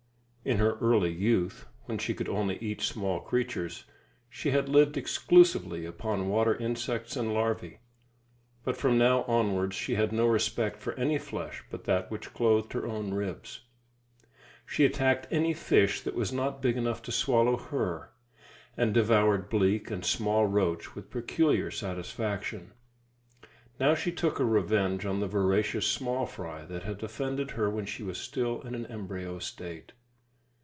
In her early youth, when she could only eat small creatures, she had lived exclusively upon water insects and larvae; but from now onwards she had no respect for any flesh but that which clothed her own ribs. She attacked any fish that was not big enough to swallow her, and devoured bleak and small roach with peculiar satisfaction. Now she took her revenge on the voracious small fry that had offended her when she was still in an embryo state.